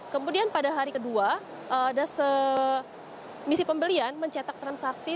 kemudian pada hari kedua ada semisi pembelian mencetak transaksi